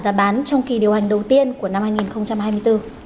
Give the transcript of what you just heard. giá bán trong kỳ điều hành đầu tiên của năm hai nghìn hai mươi bốn